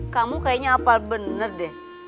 kamu kayaknya apal bener deh